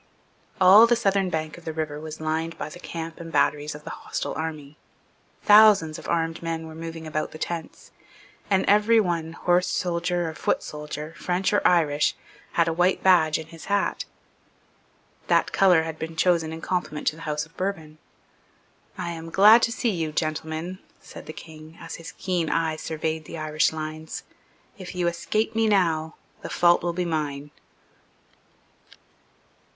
All the southern bank of the river was lined by the camp and batteries of the hostile army. Thousands of armed men were moving about among the tents; and every one, horse soldier or foot soldier, French or Irish, had a white badge in his hat. That colour had been chosen in compliment to the House of Bourbon. "I am glad to see you, gentlemen," said the King, as his keen eye surveyed the Irish lines. "If you escape me now, the fault will be mine."